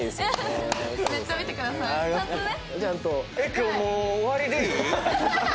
今日もう終わりでいい？ハハハ！